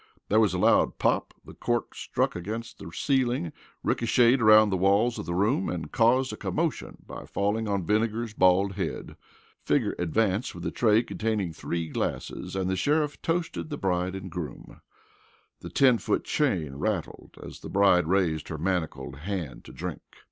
There was a loud pop, the cork struck against the ceiling, ricochetted around the walls of the room and caused a commotion by falling on Vinegar's bald head. Figger advanced with a tray containing three glasses and the sheriff toasted the bride and groom. The ten foot chain rattled as the bride raised her manacled hand to drink.